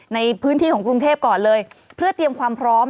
ในพื้นที่ของกรุงเทพก่อนเลยเพื่อเตรียมความพร้อม